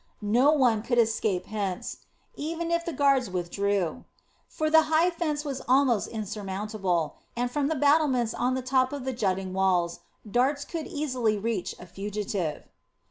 No one could escape hence, even if the guards withdrew; for the high fence was almost insurmountable, and from the battlements on the top of the jutting walls darts could easily reach a fugitive.